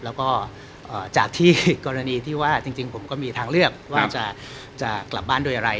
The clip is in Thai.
แล้วก็จากที่กรณีที่ว่าจริงผมก็มีทางเลือกว่าจะกลับบ้านโดยอะไร